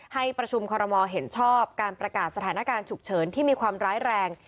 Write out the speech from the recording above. ให้ประชุมคอรมอลเห็นชอบการประกาศสถานการณ์ฉุกเฉินที่มีความร้ายแรง